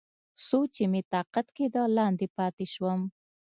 څو چې مې طاقت کېده، لاندې پاتې شوم.